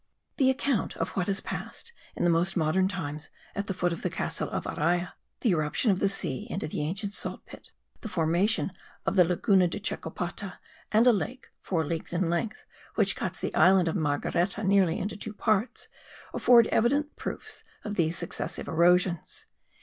The account of what has passed in the most modern times at the foot of the castle of Araya, the irruption of the sea into the ancient salt pit, the formation of the laguna de Chacopata and a lake, four leagues in length, which cuts the island of Margareta nearly into two parts, afford evident proofs of these successive erosions.